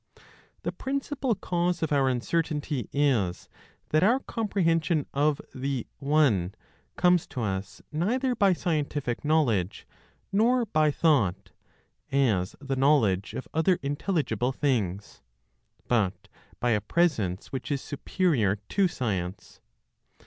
The principal cause of our uncertainty is that our comprehension of the One comes to us neither by scientific knowledge, nor by thought, as the knowledge of other intelligible things, but by a presence which is superior to science.